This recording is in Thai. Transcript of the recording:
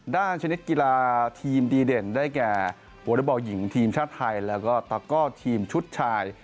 ด้านชนิดกีฬาทีมดีเด่นได้แก่วอลเตอร์บอลหญิงทีมชาติไทยและก็ทีมชุดชาย